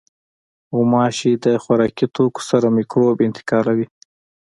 غوماشې د خوراکي توکو سره مکروب انتقالوي.